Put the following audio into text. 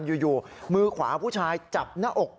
ยุยอยู่มือขวาของผมผู้ชายจับหน้าอก